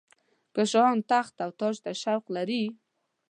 که شاهان تخت او تاج ته شوق لري.